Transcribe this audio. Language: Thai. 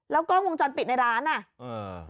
แล้วกล้องวงจรปิดในร้านน่ะเออ